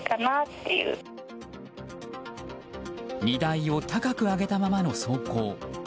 荷台を高く上げたままの走行。